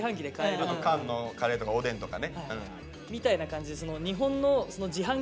缶のカレーとかおでんとかね。